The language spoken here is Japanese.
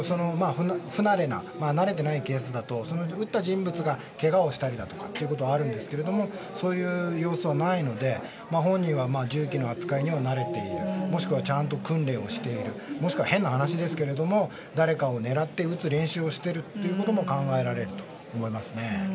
不慣れなケースだと撃った人物がけがをしたりということもあるんですがそういう様子はないので、本人は銃器の扱いには慣れているもしくはちゃんと訓練をしている若しくは変な話ですが誰かを狙って撃つ練習をしていることも考えられると思います。